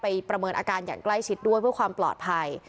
ประเมินอาการอย่างใกล้ชิดด้วยเพื่อความปลอดภัย